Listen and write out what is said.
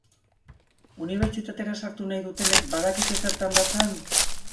Unibertsitatera sartu nahi dutenek badakite zertan datzan?